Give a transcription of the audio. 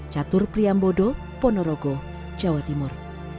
catur priambodo ponorogo jawa timur